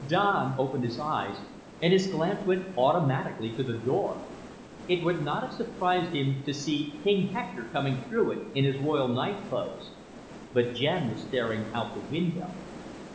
Don opened his eyes and his glance went automatically to the door. It would not have surprised him to see King Hector coming through it in his royal night clothes. But Jen was staring out the window.